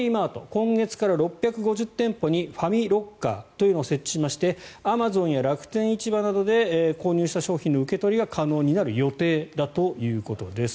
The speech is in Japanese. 今月から６５０店舗にファミロッカーというのを設置していてアマゾンや楽天市場などで購入した商品の受け取りが可能になる予定だということです。